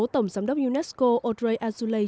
tổng giám đốc unesco audrey azoulay